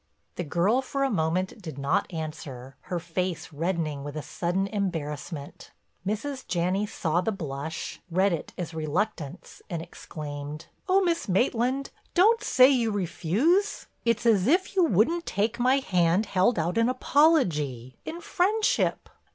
The girl for a moment did not answer, her face reddening with a sudden embarrassment. Mrs. Janney saw the blush, read it as reluctance and exclaimed: "Oh, Miss Maitland, don't say you refuse. It's as if you wouldn't take my hand held out in apology, in friendship."